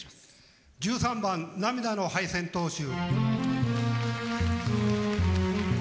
１３番「涙の敗戦投手」。